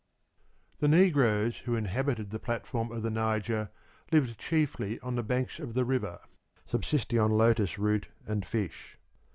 The negroes who inhabited the platform of the Niger lived chiefly on the banks of the river, subsisting on lotus root and fish.